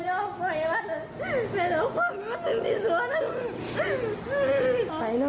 ออกไปได้